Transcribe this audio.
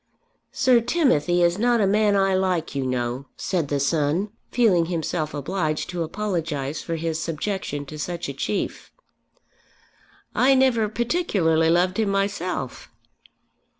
"Sir Timothy is not a man I like, you know," said the son, feeling himself obliged to apologise for his subjection to such a chief. "I never particularly loved him myself."